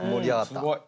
すごい。